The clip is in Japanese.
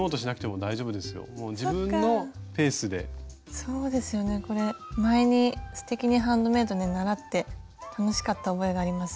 そうですよねこれ前に「すてきにハンドメイド」で習って楽しかった覚えがあります